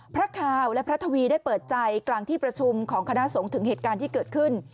คาวและพระทวีได้เปิดใจกลางที่ประชุมของคณะสงฆ์ถึงเหตุการณ์ที่เกิดขึ้น